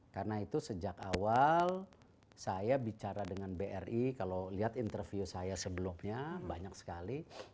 karena itu sejak awal saya bicara dengan bri kalau lihat interview saya sebelumnya banyak sekali